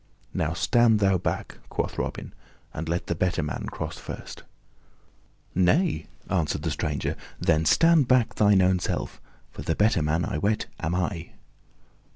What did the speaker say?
"Now stand thou back," quoth Robin, "and let the better man cross first." "Nay," answered the stranger, "then stand back shine own self, for the better man, I wet, am I."